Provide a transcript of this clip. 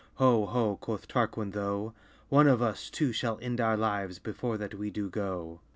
Ho, ho, quoth Tarquin tho' One of us two shall ende our lives Before that we do go.